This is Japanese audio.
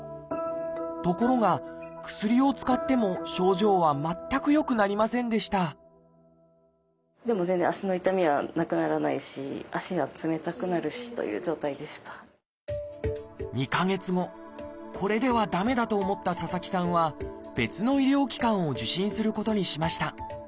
ところが薬を使っても症状は全く良くなりませんでした２か月後これでは駄目だと思った佐々木さんは別の医療機関を受診することにしました。